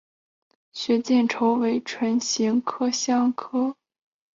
血见愁为唇形科香科科属下的一个种。